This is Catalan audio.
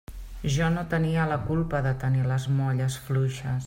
Jo no tenia la culpa de «tenir les molles fluixes».